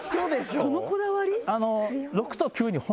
そのこだわり？